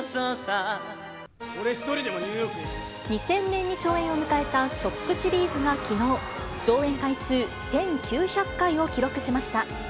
２０００年に初演を迎えたＳＨＯＣＫシリーズがきのう、上演回数１９００回を記録しました。